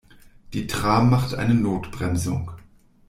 Die Tram machte eine Notbremsung.